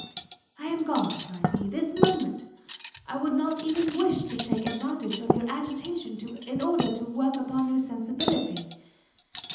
"I am gone," cried he, "this moment! I would not even wish to take advantage of your agitation in order to work upon your sensibility.